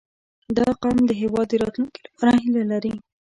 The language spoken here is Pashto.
• دا قوم د هېواد د راتلونکي لپاره هیله لري.